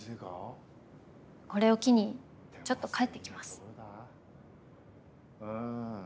これを機にちょっと帰ってきます。